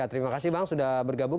terima kasih bang sudah bergabung